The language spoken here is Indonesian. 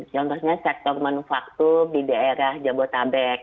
contohnya sektor manufaktur di daerah jabodetabek